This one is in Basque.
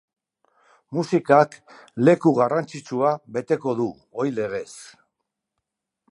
Musikak leku garrantzitsua beteko du, ohi legez.